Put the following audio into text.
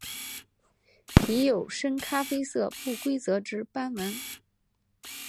体有深咖啡色不规则之斑纹。